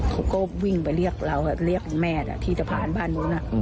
เขาก็วิ่งไปเรียกเราเรียกแม่ที่สะพานบ้านนู้น